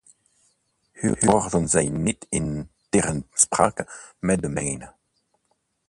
Uw woorden zijn niet in tegenspraak met de mijne.